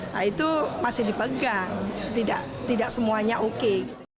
nah itu masih dipegang tidak semuanya oke